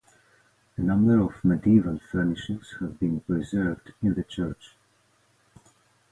A number of medieval furnishings have been preserved in the church.